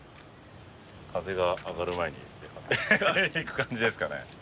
風があがる前に行く感じですかね？